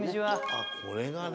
あっこれがね。